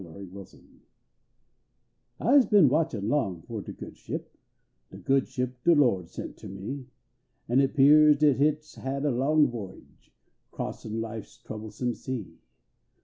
L)H GOOD SHIP I se l)in watchin long ^ r de Good Ship, De (iood vShip de Lo d sent ter me ; An it pears dat hit s had a long voyage Crossin life s troublesome sea.